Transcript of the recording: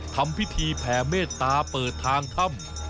ทำพิธีแผ่เมตตาเปิดทางถ้ำ